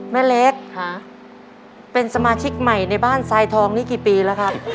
แม่เล็กเป็นสมาชิกใหม่ในบ้านทรายทองนี่กี่ปีแล้วครับ